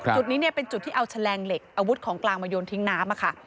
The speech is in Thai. จุดนี้เป็นจุดที่เอาแฉลงเหล็กอาวุธของกลางมาโยนทิ้งน้ำค่ะ